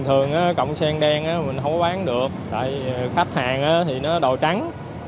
tại thường cọng sen đen mình không bán được tại khách hàng thì nó đồ trắng